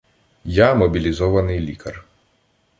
Я мобілізований лікар.